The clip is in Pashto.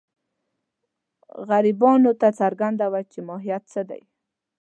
غربیانو ته څرګنده وه چې ماهیت څه دی.